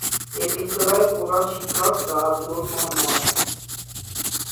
এ বিদ্যালয়ের প্রধান শিক্ষক জনাব নূর মোহাম্মদ।